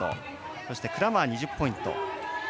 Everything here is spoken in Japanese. そしてクラーマー、２０ポイント。